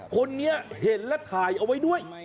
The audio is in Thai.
คนนี้เห็นและถ่ายเอาไว้ด้วย